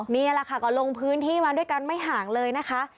นี่แหละค่ะก็ลงพื้นที่มาด้วยกันไม่ห่างเลยนะคะ